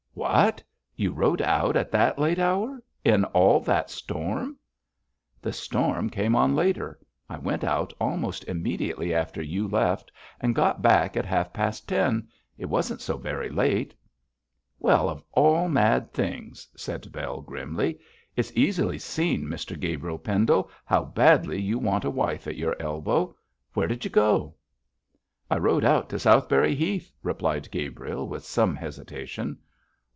'What! You rode out at that late hour, in all that storm?' 'The storm came on later. I went out almost immediately after you left, and got back at half past ten. It wasn't so very late.' 'Well, of all mad things!' said Bell, grimly. 'It's easy seen, Mr Gabriel Pendle, how badly you want a wife at your elbow. Where did you go?' 'I rode out on to Southberry Heath,' replied Gabriel, with some hesitation.